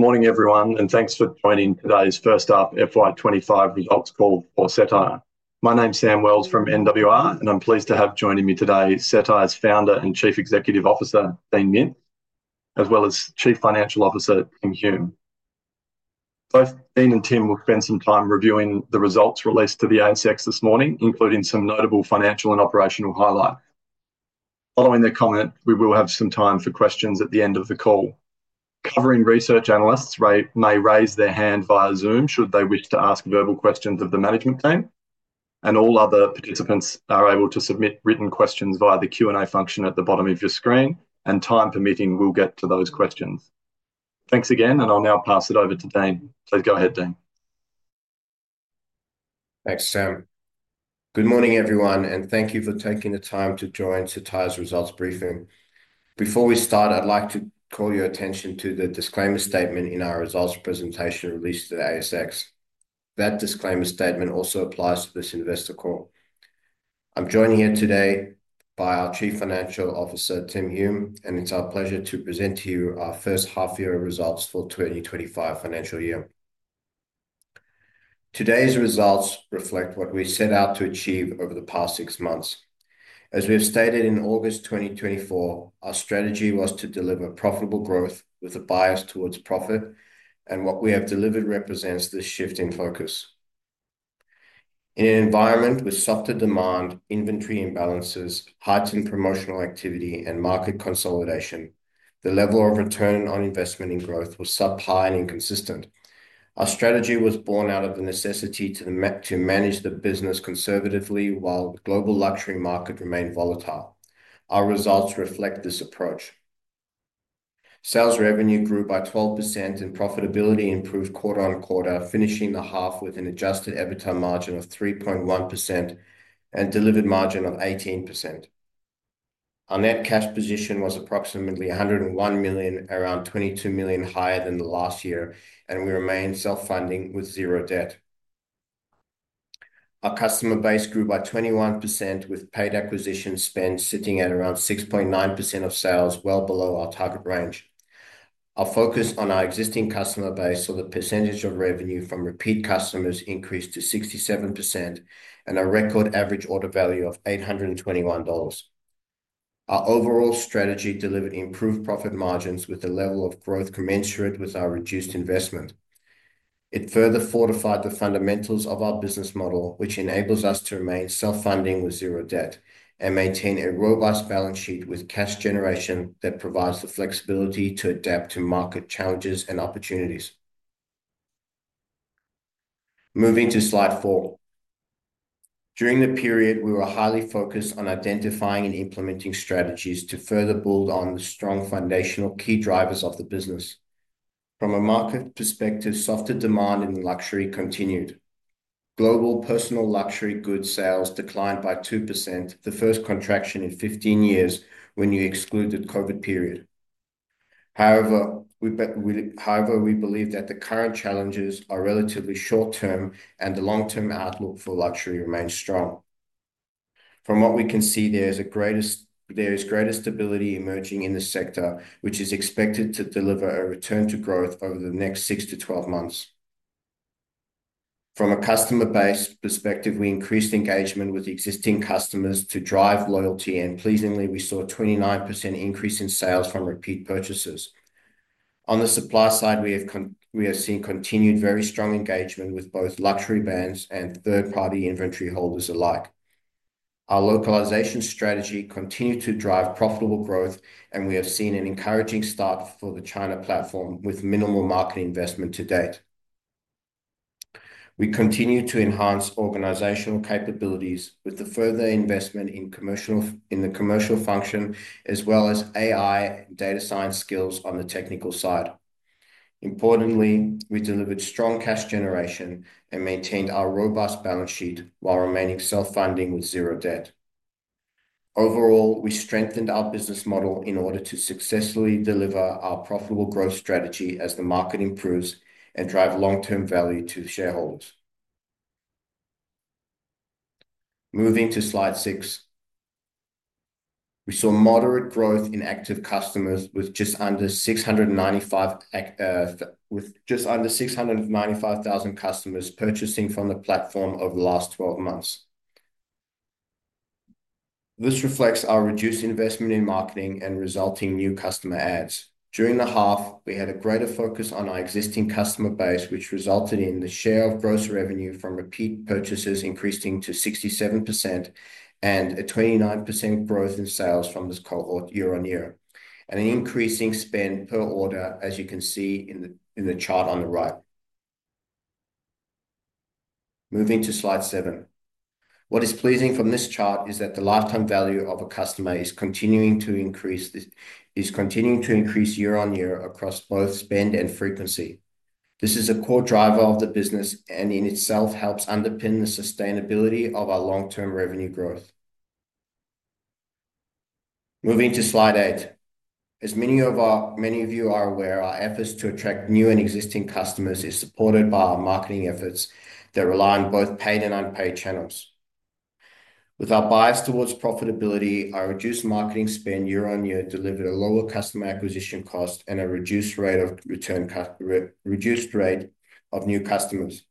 Good morning, everyone, and thanks for joining today's First Half FY 2025 results call for Cettire. My name's Sam Wells from NWR, and I'm pleased to have joining me today Cettire's Founder and Chief Executive Officer, Dean Mintz, as well as Chief Financial Officer, Tim Hume. Both Dean and Tim will spend some time reviewing the results released to the ASX this morning, including some notable financial and operational highlights. Following their comment, we will have some time for questions at the end of the call. Covering research analysts may raise their hand via Zoom should they wish to ask verbal questions of the management team, and all other participants are able to submit written questions via the Q&A function at the bottom of your screen, and time permitting, we'll get to those questions. Thanks again, and I'll now pass it over to Dean. Please go ahead, Dean. Thanks, Sam. Good morning, everyone, and thank you for taking the time to join Cettire's results briefing. Before we start, I'd like to call your attention to the disclaimer statement in our results presentation released to the ASX. That disclaimer statement also applies to this investor call. I'm joined here today by our Chief Financial Officer, Tim Hume, and it's our pleasure to present to you our first half year results for 2025 financial year. Today's results reflect what we set out to achieve over the past six months. As we have stated in August 2024, our strategy was to deliver profitable growth with a bias towards profit, and what we have delivered represents this shift in focus. In an environment with softer demand, inventory imbalances, heightened promotional activity, and market consolidation, the level of return on investment and growth was subpar and inconsistent. Our strategy was born out of the necessity to manage the business conservatively while the global luxury market remained volatile. Our results reflect this approach. Sales revenue grew by 12%, and profitability improved quarter on quarter, finishing the half with an adjusted EBITDA margin of 3.1% and delivered margin of 18%. Our net cash position was approximately 101 million, around 22 million higher than the last year, and we remained self-funding with zero debt. Our customer base grew by 21%, with paid acquisition spend sitting at around 6.9% of sales, well below our target range. Our focus on our existing customer base saw the percentage of revenue from repeat customers increase to 67% and a record average order value of 821 dollars. Our overall strategy delivered improved profit margins with a level of growth commensurate with our reduced investment. It further fortified the fundamentals of our business model, which enables us to remain self-funding with zero debt and maintain a robust balance sheet with cash generation that provides the flexibility to adapt to market challenges and opportunities. Moving to slide four. During the period, we were highly focused on identifying and implementing strategies to further build on the strong foundational key drivers of the business. From a market perspective, softer demand in luxury continued. Global personal luxury goods sales declined by 2%, the first contraction in 15 years when you exclude the COVID period. However, we believe that the current challenges are relatively short-term and the long-term outlook for luxury remains strong. From what we can see, there is greater stability emerging in the sector, which is expected to deliver a return to growth over the next 6-12 months. From a customer base perspective, we increased engagement with existing customers to drive loyalty, and pleasingly, we saw a 29% increase in sales from repeat purchases. On the supply side, we have seen continued very strong engagement with both luxury brands and third-party inventory holders alike. Our localization strategy continued to drive profitable growth, and we have seen an encouraging start for the China platform with minimal market investment to date. We continue to enhance organizational capabilities with the further investment in the commercial function, as well as AI and data science skills on the technical side. Importantly, we delivered strong cash generation and maintained our robust balance sheet while remaining self-funding with zero debt. Overall, we strengthened our business model in order to successfully deliver our profitable growth strategy as the market improves and drive long-term value to shareholders. Moving to slide six, we saw moderate growth in active customers with just under 695,000 customers purchasing from the platform over the last 12 months. This reflects our reduced investment in marketing and resulting new customer adds. During the half, we had a greater focus on our existing customer base, which resulted in the share of gross revenue from repeat purchases increasing to 67% and a 29% growth in sales from this cohort year on year, and an increasing spend per order, as you can see in the chart on the right. Moving to slide seven. What is pleasing from this chart is that the lifetime value of a customer is continuing to increase year on year across both spend and frequency. This is a core driver of the business and in itself helps underpin the sustainability of our long-term revenue growth. Moving to slide eight. As many of you are aware, our efforts to attract new and existing customers are supported by our marketing efforts that rely on both paid and unpaid channels. With our bias towards profitability, our reduced marketing spend year on year delivered a lower customer acquisition cost and a reduced rate of new customers.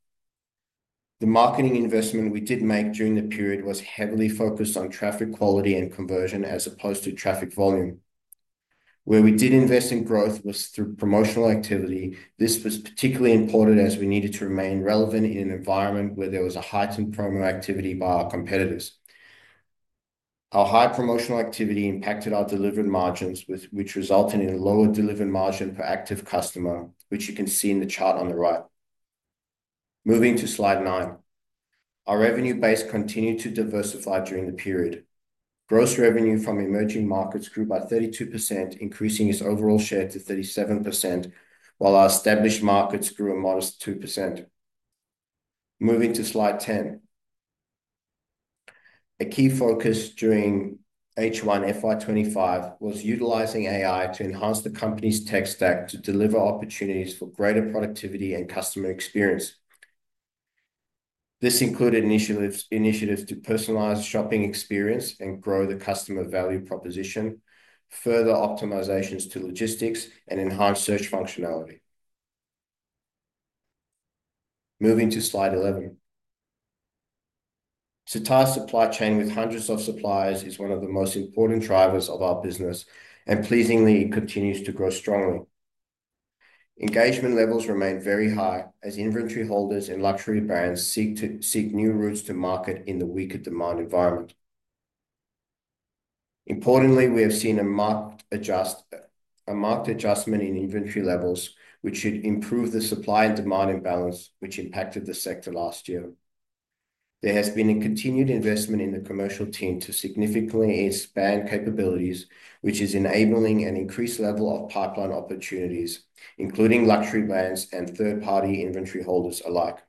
The marketing investment we did make during the period was heavily focused on traffic quality and conversion as opposed to traffic volume. Where we did invest in growth was through promotional activity. This was particularly important as we needed to remain relevant in an environment where there was a heightened promo activity by our competitors. Our high promotional activity impacted our delivered margins, which resulted in a lower delivered margin per active customer, which you can see in the chart on the right. Moving to slide nine, our revenue base continued to diversify during the period. Gross revenue from emerging markets grew by 32%, increasing its overall share to 37%, while our established markets grew a modest 2%. Moving to slide 10 a key focus during H1 FY 2025 was utilizing AI to enhance the company's tech stack to deliver opportunities for greater productivity and customer experience. This included initiatives to personalize the shopping experience and grow the customer value proposition, further optimizations to logistics, and enhanced search functionality. Moving to slide eleven, Cettire's supply chain with hundreds of suppliers is one of the most important drivers of our business and pleasingly continues to grow strongly. Engagement levels remain very high as inventory holders and luxury brands seek new routes to market in the weaker demand environment. Importantly, we have seen a marked adjustment in inventory levels, which should improve the supply and demand imbalance, which impacted the sector last year. There has been a continued investment in the commercial team to significantly expand capabilities, which is enabling an increased level of pipeline opportunities, including luxury brands and third-party inventory holders alike.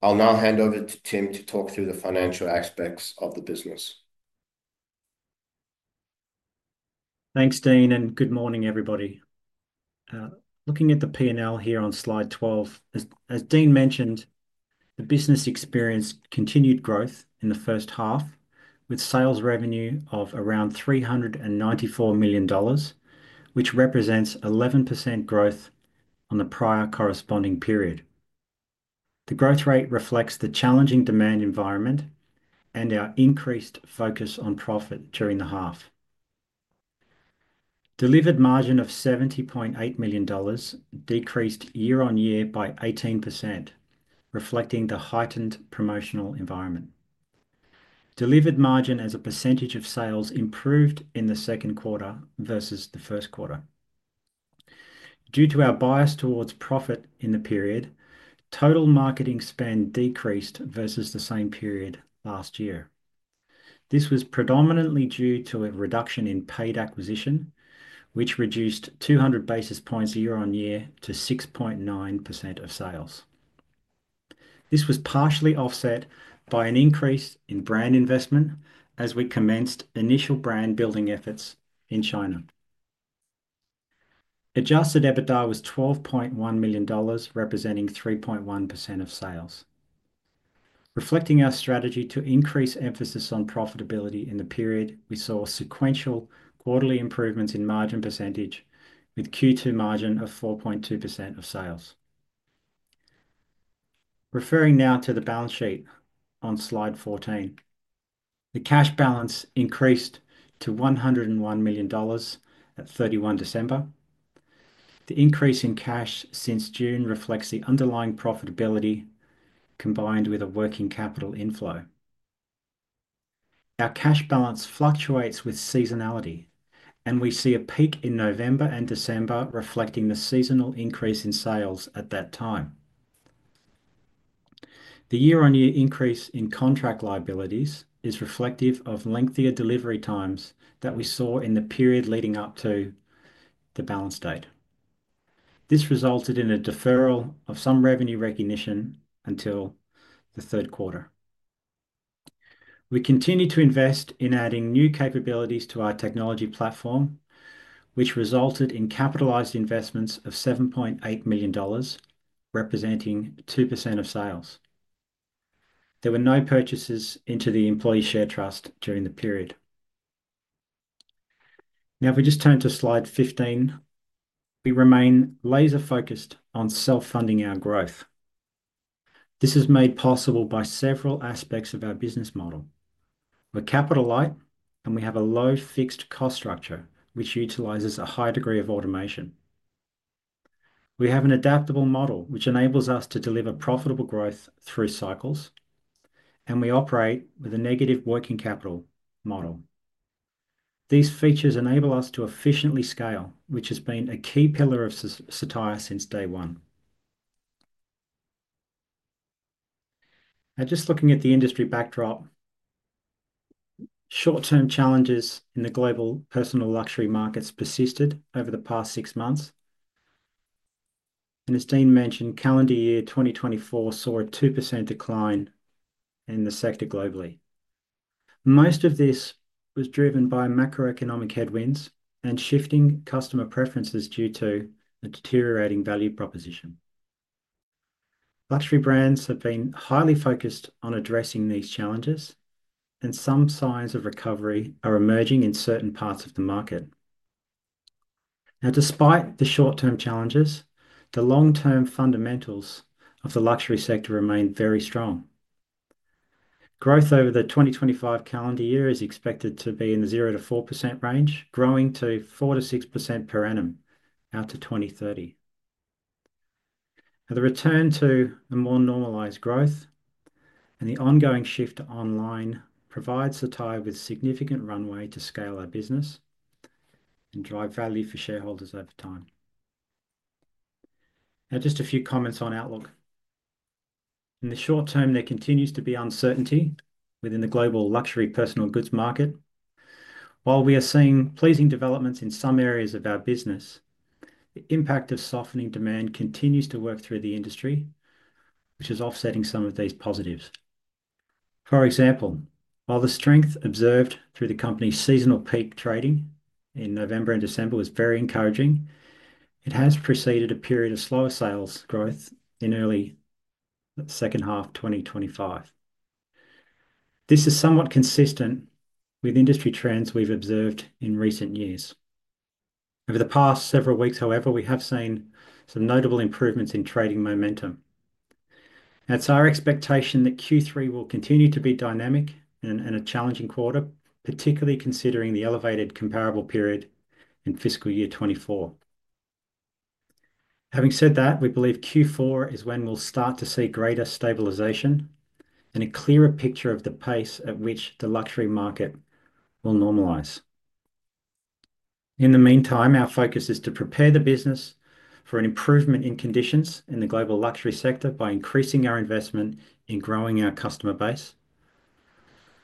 I'll now hand over to Tim to talk through the financial aspects of the business. Thanks, Dean, and good morning, everybody. Looking at the P&L here on slide 12, as Dean mentioned, the business experienced continued growth in the first half with sales revenue of around $394 million, which represents 11% growth on the prior corresponding period. The growth rate reflects the challenging demand environment and our increased focus on profit during the half. Delivered margin of $70.8 million decreased year on year by 18%, reflecting the heightened promotional environment. Delivered margin as a percentage of sales improved in the second quarter versus the first quarter. Due to our bias towards profit in the period, total marketing spend decreased versus the same period last year. This was predominantly due to a reduction in paid acquisition, which reduced 200 basis points year on year to 6.9% of sales. This was partially offset by an increase in brand investment as we commenced initial brand building efforts in China. Adjusted EBITDA was $12.1 million, representing 3.1% of sales. Reflecting our strategy to increase emphasis on profitability in the period, we saw sequential quarterly improvements in margin percentage with Q2 margin of 4.2% of sales. Referring now to the balance sheet on slide 14, the cash balance increased to $101 million at 31 December. The increase in cash since June reflects the underlying profitability combined with a working capital inflow. Our cash balance fluctuates with seasonality, and we see a peak in November and December, reflecting the seasonal increase in sales at that time. The year-on-year increase in contract liabilities is reflective of lengthier delivery times that we saw in the period leading up to the balance date. This resulted in a deferral of some revenue recognition until the third quarter. We continue to invest in adding new capabilities to our technology platform, which resulted in capitalized investments of 7.8 million dollars, representing 2% of sales. There were no purchases into the employee share trust during the period. Now, if we just turn to slide 15, we remain laser-focused on self-funding our growth. This is made possible by several aspects of our business model. We're capital-light, and we have a low fixed cost structure, which utilizes a high degree of automation. We have an adaptable model, which enables us to deliver profitable growth through cycles, and we operate with a negative working capital model. These features enable us to efficiently scale, which has been a key pillar of Cettire since day one. Now, just looking at the industry backdrop, short-term challenges in the global personal luxury markets persisted over the past six months. As Dean mentioned, calendar year 2024 saw a 2% decline in the sector globally. Most of this was driven by macroeconomic headwinds and shifting customer preferences due to the deteriorating value proposition. Luxury brands have been highly focused on addressing these challenges, and some signs of recovery are emerging in certain parts of the market. Despite the short-term challenges, the long-term fundamentals of the luxury sector remain very strong. Growth over the 2025 calendar year is expected to be in the 0-4% range, growing to 4%-6% per annum out to 2030. The return to a more normalized growth and the ongoing shift online provide Cettire with a significant runway to scale our business and drive value for shareholders over time. Just a few comments on outlook. In the short term, there continues to be uncertainty within the global luxury personal goods market. While we are seeing pleasing developments in some areas of our business, the impact of softening demand continues to work through the industry, which is offsetting some of these positives. For example, while the strength observed through the company's seasonal peak trading in November and December was very encouraging, it has preceded a period of slower sales growth in early second half 2025. This is somewhat consistent with industry trends we have observed in recent years. Over the past several weeks, however, we have seen some notable improvements in trading momentum. It is our expectation that Q3 will continue to be dynamic and a challenging quarter, particularly considering the elevated comparable period in fiscal year 2024. Having said that, we believe Q4 is when we will start to see greater stabilization and a clearer picture of the pace at which the luxury market will normalize. In the meantime, our focus is to prepare the business for an improvement in conditions in the global luxury sector by increasing our investment in growing our customer base.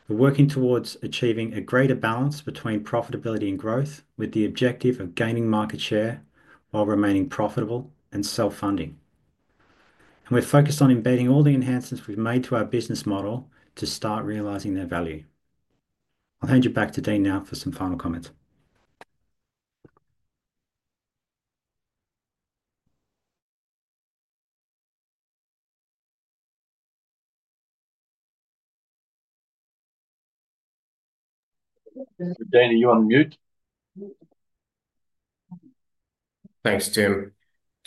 We are working towards achieving a greater balance between profitability and growth with the objective of gaining market share while remaining profitable and self-funding. We are focused on embedding all the enhancements we have made to our business model to start realizing their value. I will hand you back to Dean now for some final comments. This is Dean. Are you on mute? Thanks, Tim.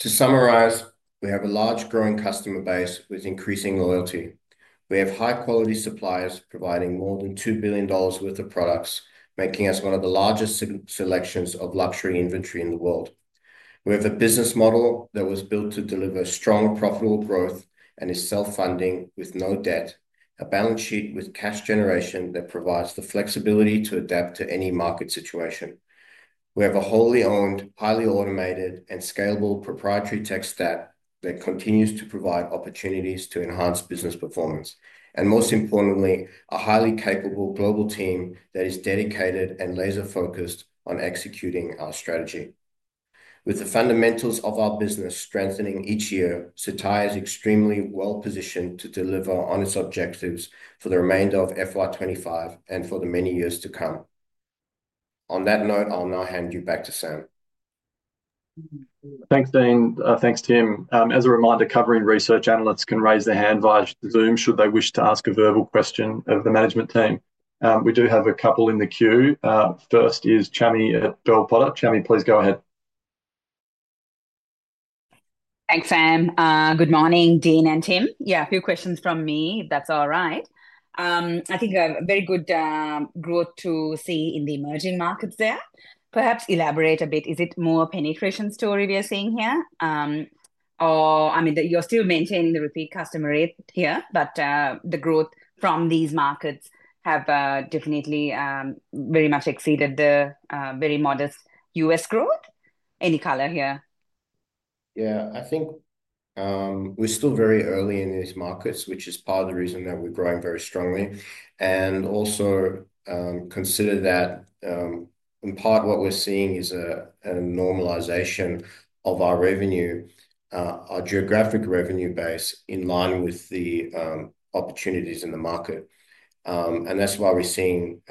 To summarize, we have a large growing customer base with increasing loyalty. We have high-quality suppliers providing more than $2 billion worth of products, making us one of the largest selections of luxury inventory in the world. We have a business model that was built to deliver strong profitable growth and is self-funding with no debt, a balance sheet with cash generation that provides the flexibility to adapt to any market situation. We have a wholly owned, highly automated, and scalable proprietary tech stack that continues to provide opportunities to enhance business performance. Most importantly, a highly capable global team that is dedicated and laser-focused on executing our strategy. With the fundamentals of our business strengthening each year, Cettire is extremely well positioned to deliver on its objectives for the remainder of FY 2025 and for the many years to come. On that note, I'll now hand you back to Sam. Thanks, Dean. Thanks, Tim. As a reminder, covering research analysts can raise their hand via Zoom should they wish to ask a verbal question of the management team. We do have a couple in the queue. First is Chami at Bell Potter. Chami, please go ahead. Thanks, Sam. Good morning, Dean and Tim. Yeah, a few questions from me. That's all right. I think a very good growth to see in the emerging markets there. Perhaps elaborate a bit. Is it more penetration story we are seeing here? Or, I mean, you're still maintaining the repeat customer rate here, but the growth from these markets have definitely very much exceeded the very modest U.S. growth. Any color here? Yeah, I think we're still very early in these markets, which is part of the reason that we're growing very strongly. I also consider that in part what we're seeing is a normalization of our revenue, our geographic revenue base in line with the opportunities in the market. That's why we're seeing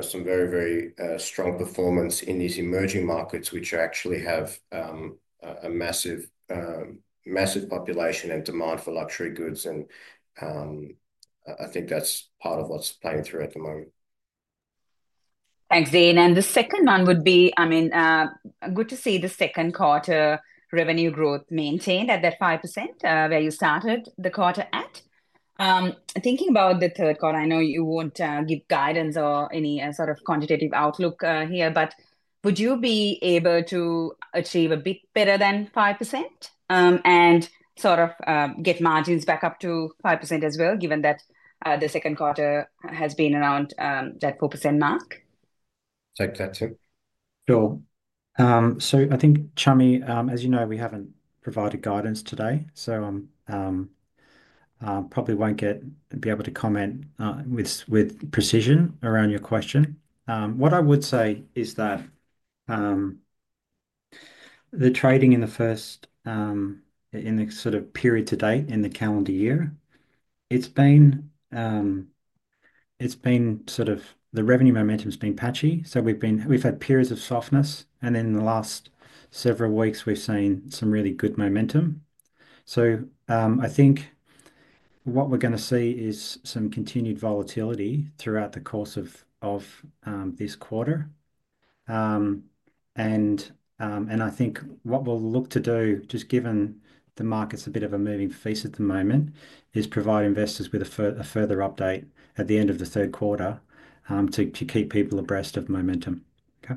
some very, very strong performance in these emerging markets, which actually have a massive population and demand for luxury goods. I think that's part of what's playing through at the moment. Thanks, Dean. The second one would be, I mean, good to see the second quarter revenue growth maintained at that 5% where you started the quarter at. Thinking about the third quarter, I know you will not give guidance or any sort of quantitative outlook here, but would you be able to achieve a bit better than 5% and sort of get margins back up to 5% as well, given that the second quarter has been around that 4% mark? Take that, Tim. Sure. I think, Chami, as you know, we haven't provided guidance today, so I probably won't be able to comment with precision around your question. What I would say is that the trading in the first, in the sort of period to date in the calendar year, it's been sort of the revenue momentum has been patchy. We have had periods of softness, and then in the last several weeks, we've seen some really good momentum. I think what we're going to see is some continued volatility throughout the course of this quarter. I think what we'll look to do, just given the market's a bit of a moving feast at the moment, is provide investors with a further update at the end of the third quarter to keep people abreast of momentum. Okay.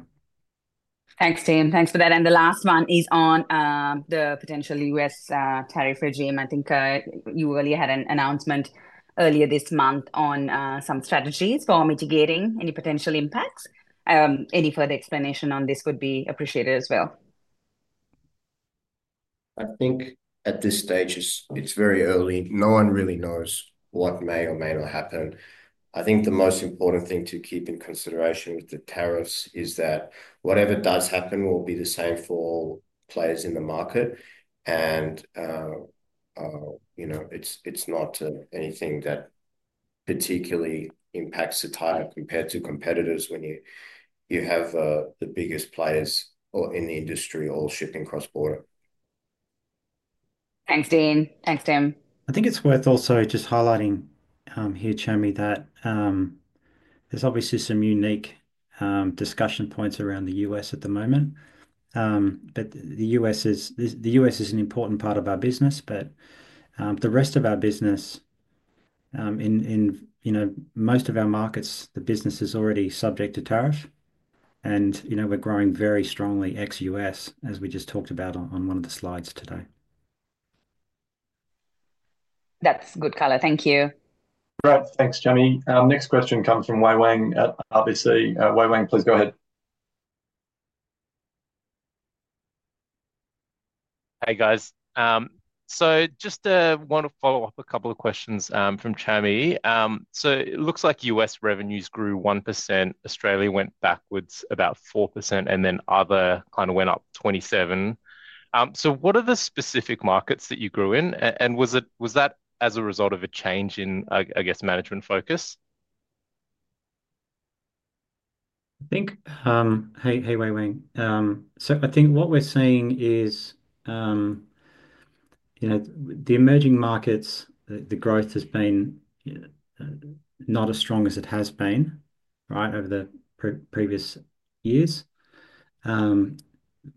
Thanks, Tim. Thanks for that. The last one is on the potential U.S. tariff regime. I think you already had an announcement earlier this month on some strategies for mitigating any potential impacts. Any further explanation on this would be appreciated as well. I think at this stage, it's very early. No one really knows what may or may not happen. I think the most important thing to keep in consideration with the tariffs is that whatever does happen will be the same for players in the market. It's not anything that particularly impacts Cettire compared to competitors when you have the biggest players in the industry all shipping cross-border. Thanks, Dean. Thanks, Tim. I think it's worth also just highlighting here, Chami, that there's obviously some unique discussion points around the U.S. at the moment. The U.S. is an important part of our business, but the rest of our business, in most of our markets, the business is already subject to tariff. We're growing very strongly ex-U.S., as we just talked about on one of the slides today. That's good color. Thank you. Great. Thanks, Chami. Next question comes from Wei-Weng at RBC. Wei-Weng, please go ahead. Hey, guys. I just want to follow up a couple of questions from Chami. It looks like U.S. revenues grew 1%, Australia went backwards about 4%, and then other kind of went up 27%. What are the specific markets that you grew in? Was that as a result of a change in, I guess, management focus? I think, hey, Wei-Wang, I think what we're seeing is the emerging markets, the growth has been not as strong as it has been over the previous years.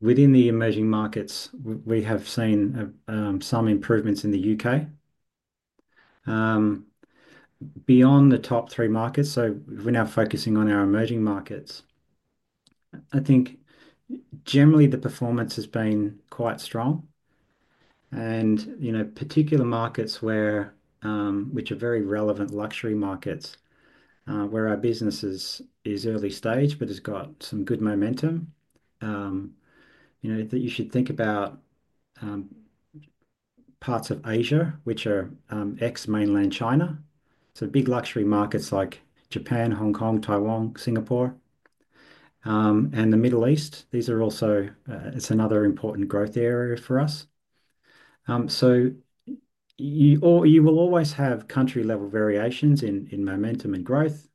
Within the emerging markets, we have seen some improvements in the U.K. Beyond the top three markets, we're now focusing on our emerging markets, I think generally the performance has been quite strong. In particular, markets which are very relevant luxury markets, where our business is early stage, but has got some good momentum, you should think about parts of Asia, which are ex-Mainland China. Big luxury markets like Japan, Hong Kong, Taiwan, Singapore, and the Middle East, these are also another important growth area for us. You will always have country-level variations in momentum and growth,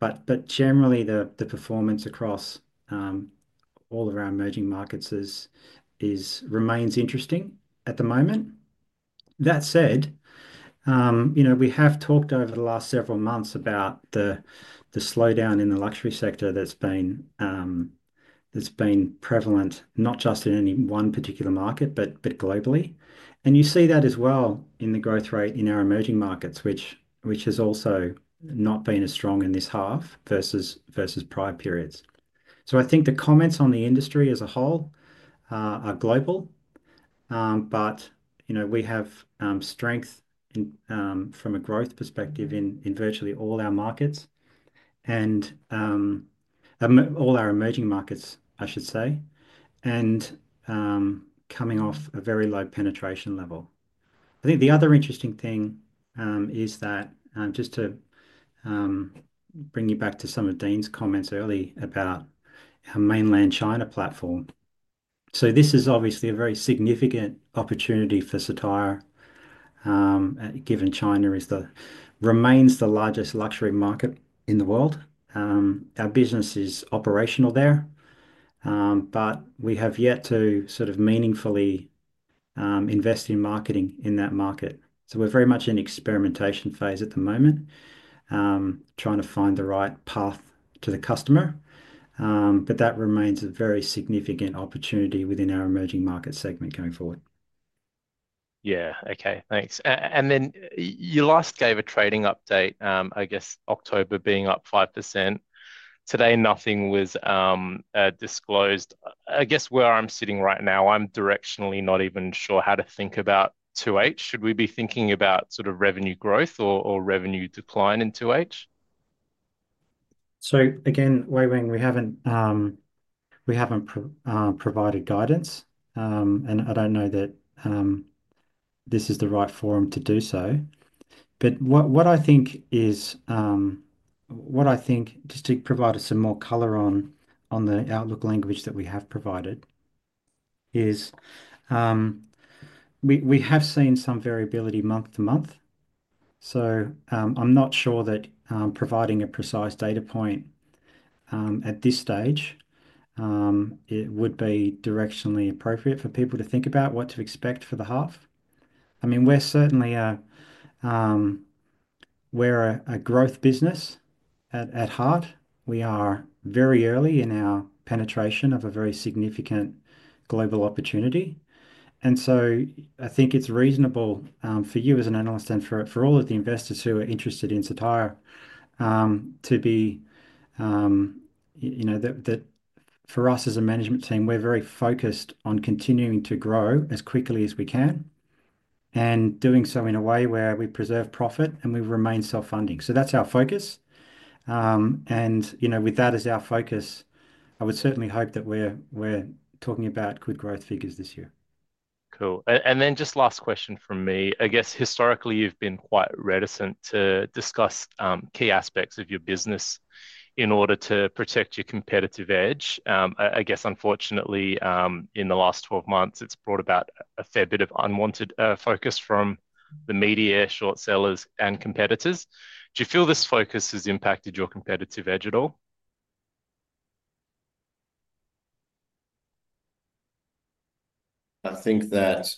but generally the performance across all of our emerging markets remains interesting at the moment. That said, we have talked over the last several months about the slowdown in the luxury sector that has been prevalent, not just in any one particular market, but globally. You see that as well in the growth rate in our emerging markets, which has also not been as strong in this half versus prior periods. I think the comments on the industry as a whole are global, but we have strength from a growth perspective in virtually all our markets and all our emerging markets, I should say, and coming off a very low penetration level. I think the other interesting thing is that, just to bring you back to some of Dean's comments early about our Mainland China platform, this is obviously a very significant opportunity for Cettire, given China remains the largest luxury market in the world. Our business is operational there, but we have yet to sort of meaningfully invest in marketing in that market. We are very much in an experimentation phase at the moment, trying to find the right path to the customer. That remains a very significant opportunity within our emerging market segment going forward. Yeah. Okay. Thanks. You last gave a trading update, I guess, October being up 5%. Today, nothing was disclosed. I guess where I'm sitting right now, I'm directionally not even sure how to think about 2H. Should we be thinking about sort of revenue growth or revenue decline in 2H? Again, Wei Wang, we haven't provided guidance, and I don't know that this is the right forum to do so. What I think is, what I think, just to provide us some more color on the outlook language that we have provided, is we have seen some variability month to month. I'm not sure that providing a precise data point at this stage, it would be directionally appropriate for people to think about what to expect for the half. I mean, we're certainly a growth business at heart. We are very early in our penetration of a very significant global opportunity. I think it's reasonable for you as an analyst and for all of the investors who are interested in Cettire to be that for us as a management team, we're very focused on continuing to grow as quickly as we can and doing so in a way where we preserve profit and we remain self-funding. That's our focus. With that as our focus, I would certainly hope that we're talking about good growth figures this year. Cool. And then just last question from me. I guess historically, you've been quite reticent to discuss key aspects of your business in order to protect your competitive edge. I guess, unfortunately, in the last 12 months, it's brought about a fair bit of unwanted focus from the media, short sellers, and competitors. Do you feel this focus has impacted your competitive edge at all? I think that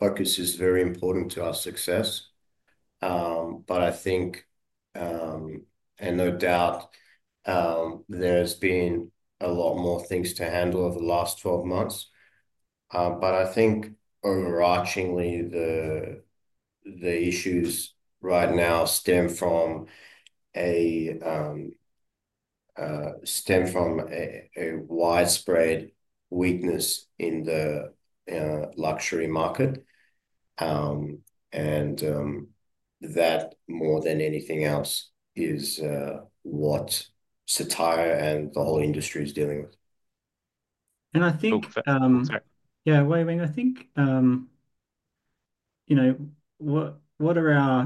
focus is very important to our success, but I think, and no doubt, there's been a lot more things to handle over the last 12 months. I think overarchingly, the issues right now stem from a widespread weakness in the luxury market. That, more than anything else, is what Cettire and the whole industry is dealing with. I think. Go for it. Yeah, Wei Wang, I think there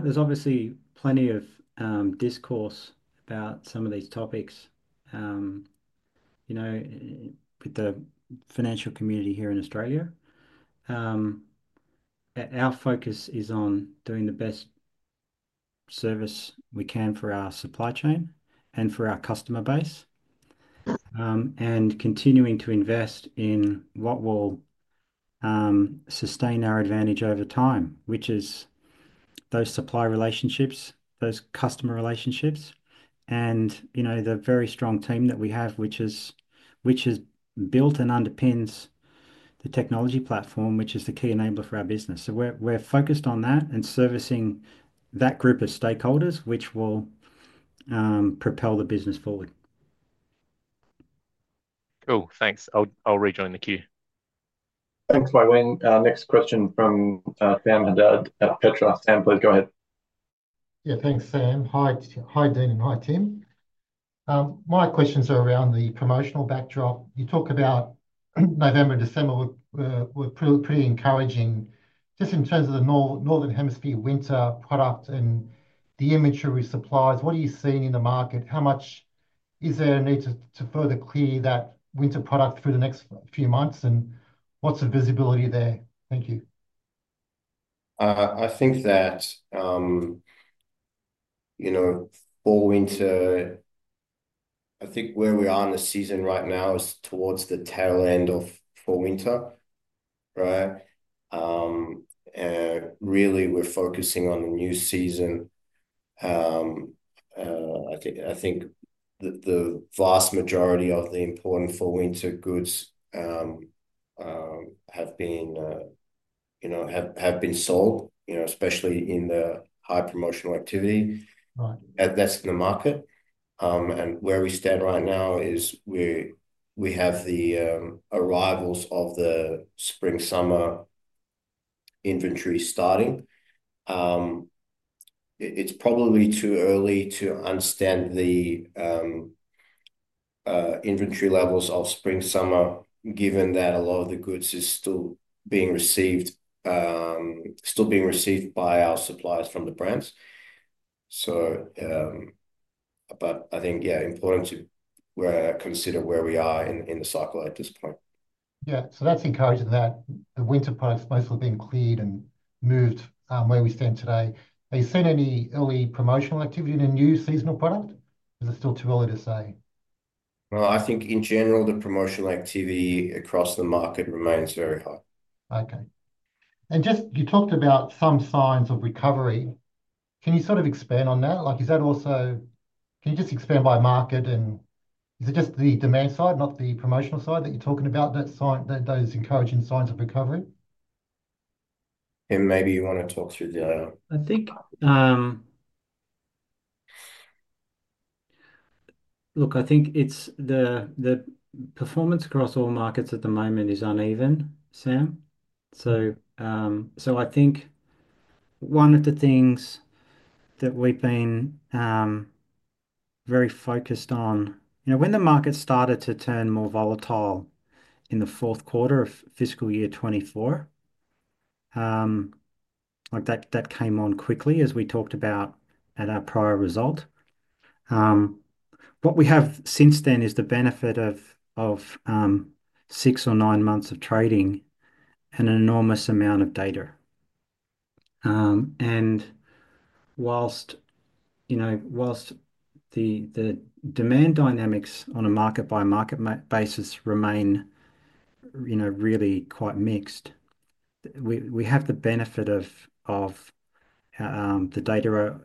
is obviously plenty of discourse about some of these topics with the financial community here in Australia. Our focus is on doing the best service we can for our supply chain and for our customer base and continuing to invest in what will sustain our advantage over time, which is those supply relationships, those customer relationships, and the very strong team that we have, which has built and underpins the technology platform, which is the key enabler for our business. We are focused on that and servicing that group of stakeholders, which will propel the business forward. Cool. Thanks. I'll rejoin the queue. Thanks, Wei Wang. Next question from Sam Haddad at Petra. Sam, please go ahead. Yeah. Thanks, Sam. Hi, Dean. Hi, Tim. My questions are around the promotional backdrop. You talk about November, December were pretty encouraging. Just in terms of the northern hemisphere winter product and the immature supplies, what are you seeing in the market? How much is there a need to further clear that winter product through the next few months? What's the visibility there? Thank you. I think that Fall/Winter, I think where we are in the season right now is towards the tail end of Fall/Winter, right? Really, we're focusing on the new season. I think the vast majority of the important Fall/Winter goods have been sold, especially in the high promotional activity that's in the market. Where we stand right now is we have the arrivals of the Spring/Summer inventory starting. It's probably too early to understand the inventory levels of Spring/Summer, given that a lot of the goods is still being received by our suppliers from the brands. I think, yeah, important to consider where we are in the cycle at this point. Yeah. That's encouraging that the winter products most will be cleared and moved where we stand today. Are you seeing any early promotional activity in a new seasonal product? Is it still too early to say? I think in general, the promotional activity across the market remains very high. Okay. You talked about some signs of recovery. Can you sort of expand on that? Is that also, can you just expand by market? Is it just the demand side, not the promotional side, that you're talking about, those encouraging signs of recovery? Maybe you want to talk through the. I think, look, I think the performance across all markets at the moment is uneven, Sam. I think one of the things that we've been very focused on, when the market started to turn more volatile in the fourth quarter of fiscal year 2024, that came on quickly, as we talked about at our prior result. What we have since then is the benefit of six or nine months of trading and an enormous amount of data. And whilst the demand dynamics on a market-by-market basis remain really quite mixed, we have the benefit of the data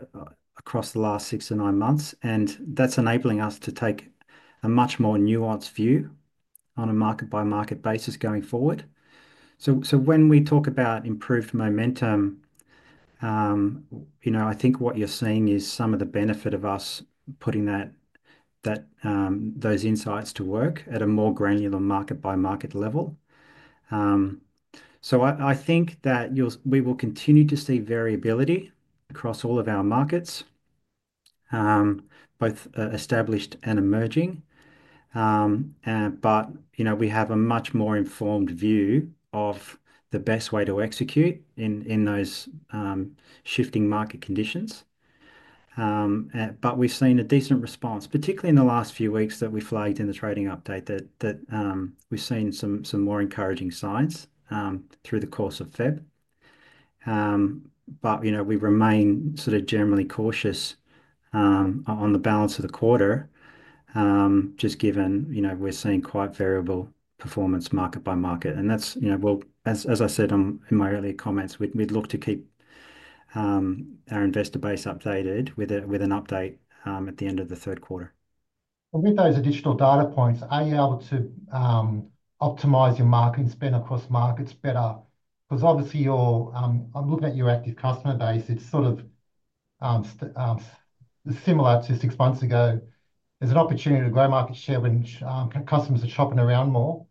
across the last six to nine months, and that's enabling us to take a much more nuanced view on a market-by-market basis going forward. When we talk about improved momentum, I think what you're seeing is some of the benefit of us putting those insights to work at a more granular market-by-market level. I think that we will continue to see variability across all of our markets, both established and emerging. We have a much more informed view of the best way to execute in those shifting market conditions. We've seen a decent response, particularly in the last few weeks that we flagged in the trading update, that we've seen some more encouraging signs through the course of February. We remain sort of generally cautious on the balance of the quarter, just given we're seeing quite variable performance market-by-market. As I said in my earlier comments, we'd look to keep our investor base updated with an update at the end of the third quarter. With those additional data points, are you able to optimize your market and spend across markets better? Because obviously, I'm looking at your active customer base. It's sort of similar to six months ago. There's an opportunity to grow market share when customers are shopping around more.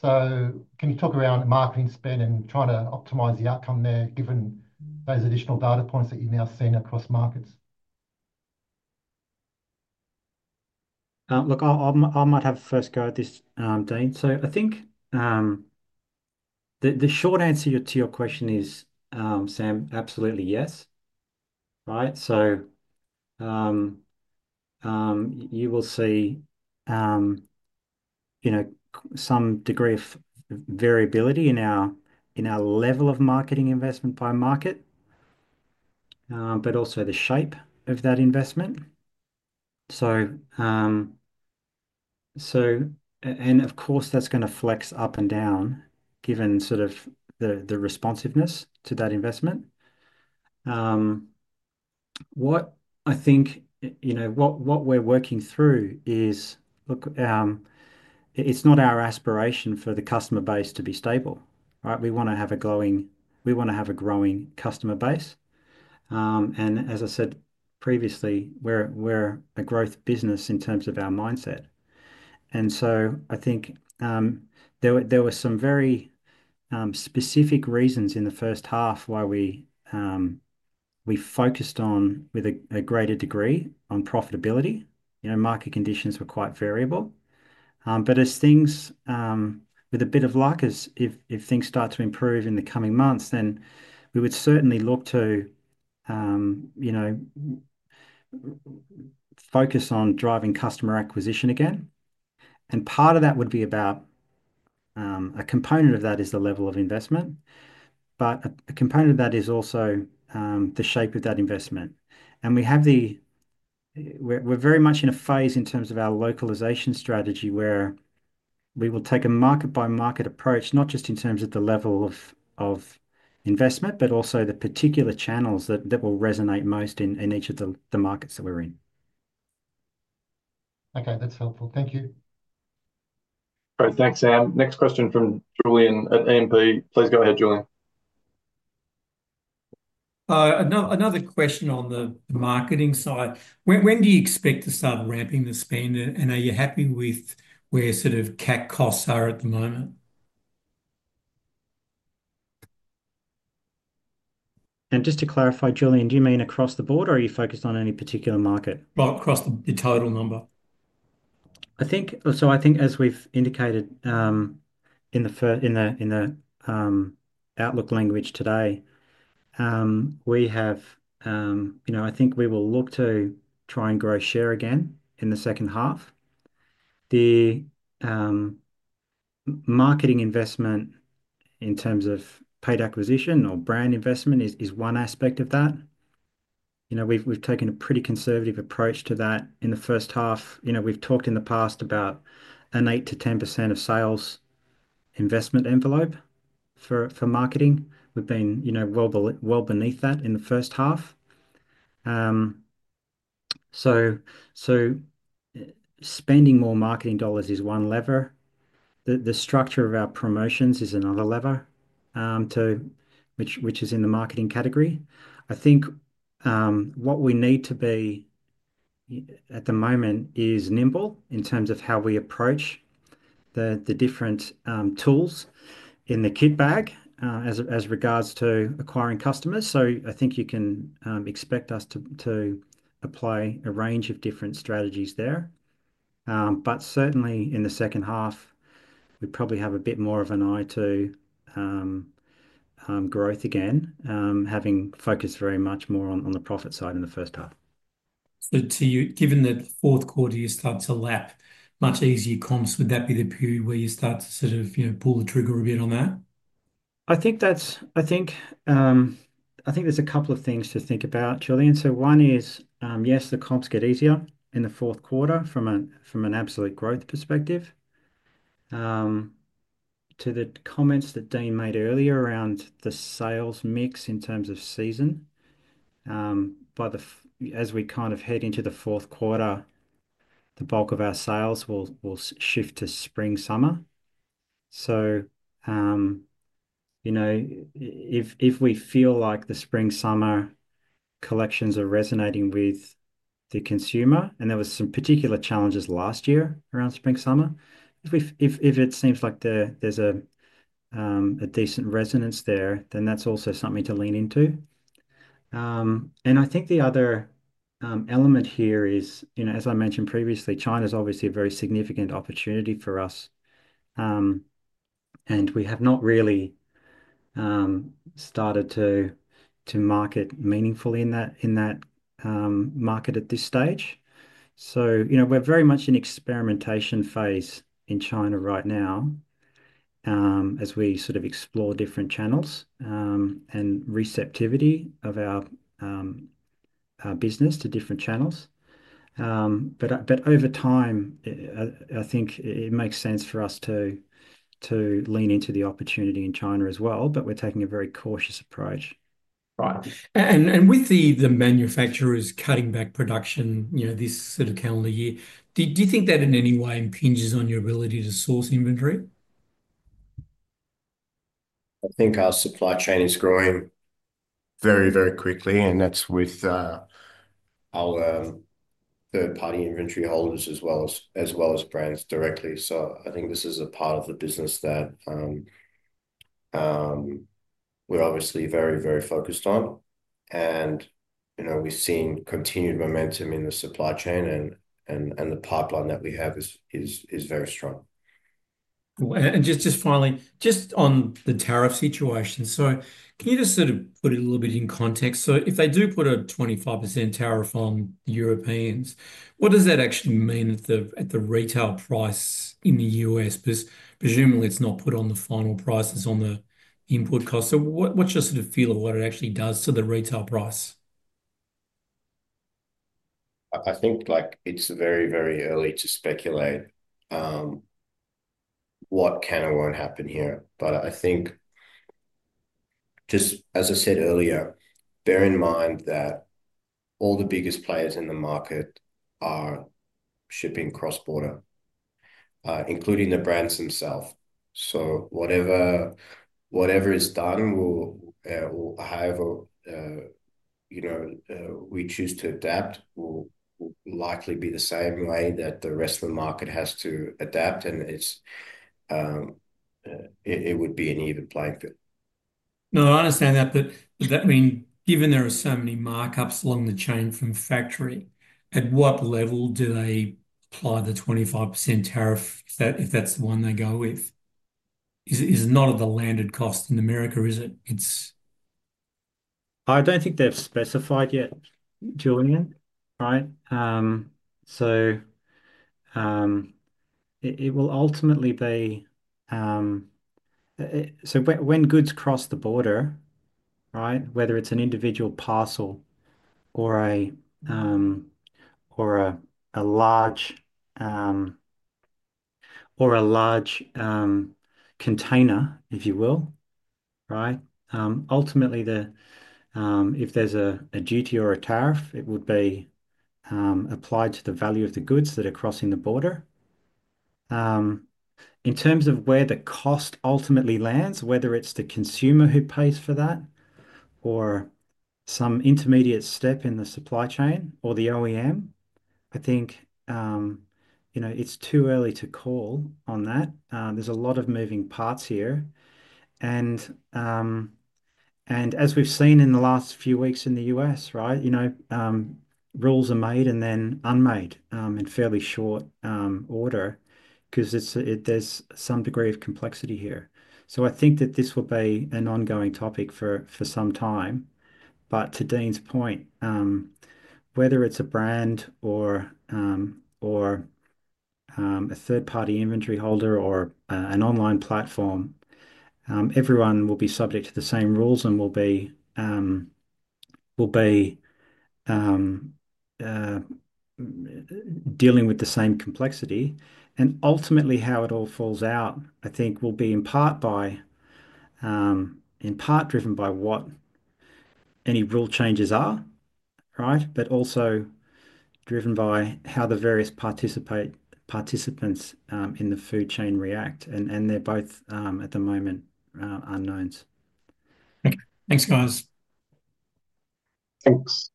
Can you talk around marketing spend and try to optimize the outcome there, given those additional data points that you've now seen across markets? Look, I might have a first go at this, Dean. I think the short answer to your question is, Sam, absolutely yes. Right? You will see some degree of variability in our level of marketing investment by market, but also the shape of that investment. Of course, that's going to flex up and down, given sort of the responsiveness to that investment. What I think, what we're working through is, look, it's not our aspiration for the customer base to be stable. Right? We want to have a growing, we want to have a growing customer base. As I said previously, we're a growth business in terms of our mindset. I think there were some very specific reasons in the first half why we focused on, with a greater degree, on profitability. Market conditions were quite variable. With a bit of luck, if things start to improve in the coming months, we would certainly look to focus on driving customer acquisition again. Part of that would be about a component of that is the level of investment. A component of that is also the shape of that investment. We are very much in a phase in terms of our localization strategy where we will take a market-by-market approach, not just in terms of the level of investment, but also the particular channels that will resonate most in each of the markets that we are in. Okay. That's helpful. Thank you. Great. Thanks, Sam. Next question from Julian at E&P. Please go ahead, Julian. Another question on the marketing side. When do you expect to start ramping the spend? Are you happy with where sort of CAC costs are at the moment? Just to clarify, Julian, do you mean across the board, or are you focused on any particular market? Across the total number. I think, as we've indicated in the outlook language today, we have, I think we will look to try and grow share again in the second half. The marketing investment in terms of paid acquisition or brand investment is one aspect of that. We've taken a pretty conservative approach to that in the first half. We've talked in the past about an 8%-10% of sales investment envelope for marketing. We've been well beneath that in the first half. Spending more marketing dollars is one lever. The structure of our promotions is another lever, which is in the marketing category. I think what we need to be at the moment is nimble in terms of how we approach the different tools in the kit bag as regards to acquiring customers. I think you can expect us to apply a range of different strategies there. Certainly, in the second half, we probably have a bit more of an eye to growth again, having focused very much more on the profit side in the first half. Given that fourth quarter, you start to lap much easier comps, would that be the period where you start to sort of pull the trigger a bit on that? I think there's a couple of things to think about, Julian. One is, yes, the comps get easier in the fourth quarter from an absolute growth perspective. To the comments that Dean made earlier around the sales mix in terms of season, as we kind of head into the fourth quarter, the bulk of our sales will shift to Spring/Summer. If we feel like the Spring/Summer collections are resonating with the consumer, and there were some particular challenges last year around Spring/Summer, if it seems like there's a decent resonance there, then that's also something to lean into. I think the other element here is, as I mentioned previously, China is obviously a very significant opportunity for us. We have not really started to market meaningfully in that market at this stage. We're very much in an experimentation phase in China right now as we sort of explore different channels and receptivity of our business to different channels. Over time, I think it makes sense for us to lean into the opportunity in China as well, but we're taking a very cautious approach. Right. With the manufacturers cutting back production this sort of calendar year, do you think that in any way impinges on your ability to source inventory? I think our supply chain is growing very, very quickly. That is with our third-party inventory holders as well as brands directly. I think this is a part of the business that we are obviously very, very focused on. We have seen continued momentum in the supply chain, and the pipeline that we have is very strong. Just finally, just on the tariff situation, can you just sort of put it a little bit in context? If they do put a 25% tariff on the Europeans, what does that actually mean at the retail price in the U.S.? Presumably, it's not put on the final prices on the input cost. What's your sort of feel of what it actually does to the retail price? I think it's very, very early to speculate what can and won't happen here. I think, just as I said earlier, bear in mind that all the biggest players in the market are shipping cross-border, including the brands themselves. Whatever is done or however we choose to adapt will likely be the same way that the rest of the market has to adapt. It would be an even playing field. No, I understand that. I mean, given there are so many markups along the chain from factory, at what level do they apply the 25% tariff if that's the one they go with? It's not at the landed cost in the U.S., is it? I don't think they've specified yet, Julian. Right? It will ultimately be so when goods cross the border, right, whether it's an individual parcel or a large container, if you will, right, ultimately, if there's a duty or a tariff, it would be applied to the value of the goods that are crossing the border. In terms of where the cost ultimately lands, whether it's the consumer who pays for that or some intermediate step in the supply chain or the OEM, I think it's too early to call on that. There's a lot of moving parts here. As we've seen in the last few weeks in the U.S., right, rules are made and then unmade in fairly short order because there's some degree of complexity here. I think that this will be an ongoing topic for some time. To Dean's point, whether it's a brand or a third-party inventory holder or an online platform, everyone will be subject to the same rules and will be dealing with the same complexity. Ultimately, how it all falls out, I think, will be in part driven by what any rule changes are, right, but also driven by how the various participants in the food chain react. They are both, at the moment, unknowns. Thanks, guys. Thanks,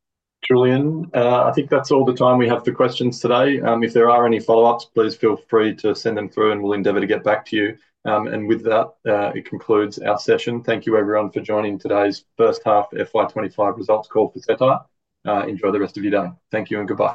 Julian. I think that's all the time we have for questions today. If there are any follow-ups, please feel free to send them through, and we'll endeavour to get back to you. That concludes our session. Thank you, everyone, for joining today's first half FY25 results call for Cettire. Enjoy the rest of your day. Thank you and goodbye.